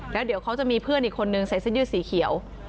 แล้วเดี๋ยวเขาจะมีเพื่อนอีกคนนึงใส่เสื้อยืดสีเขียว